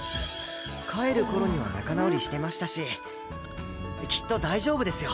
帰る頃には仲直りしてましたしきっと大丈夫ですよ。